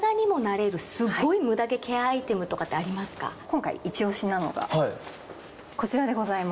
今回イチ押しなのがこちらでございます。